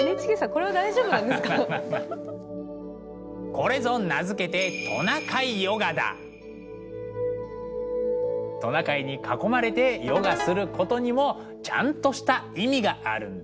これぞ名付けてトナカイに囲まれてヨガすることにもちゃんとした意味があるんだぞ。